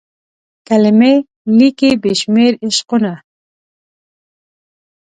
کلمې لیکي بې شمیر عشقونه